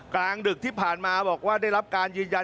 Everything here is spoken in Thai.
กลางดึกที่ผ่านมาบอกว่าได้รับการยืนยัน